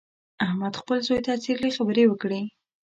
احمد خپل زوی ته څیرلې خبرې وکړې.